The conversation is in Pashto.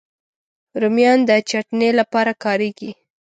رومیان د چټني لپاره کارېږي